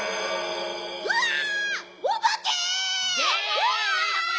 うわおばけ！わ！